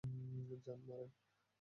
যান, মারেন।